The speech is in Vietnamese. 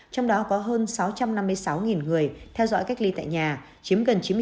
trong đó có hơn sáu trăm năm mươi sáu người theo dõi cách ly tại nhà chiếm gần chín mươi sáu